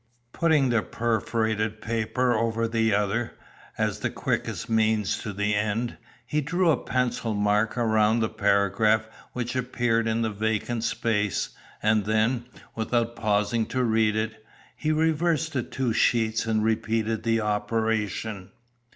Putting the perforated paper over the other, as the quickest means to the end, he drew a pencil mark around the paragraph which appeared in the vacant space, and then, without pausing to read it, he reversed the two sheets and repeated the operation.